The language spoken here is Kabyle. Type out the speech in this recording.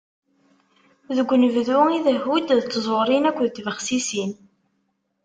Deg unebdu, idehhu-d d tẓurin akked tbexsisin.